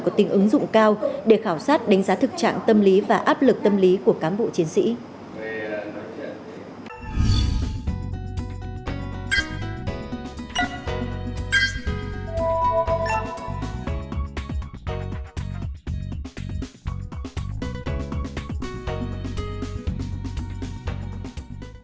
có tính ứng dụng cao để khảo sát đánh giá thực trạng tâm lý và áp lực tâm lý của cám bộ chiến sĩ